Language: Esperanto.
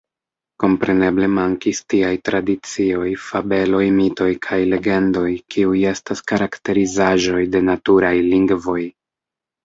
Kompreneble mankis tiaj tradicioj, fabeloj, mitoj kaj legendoj, kiuj estas karakterizaĵoj de “naturaj lingvoj.